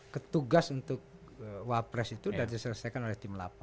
ketugas untuk wapres itu sudah diselesaikan oleh tim delapan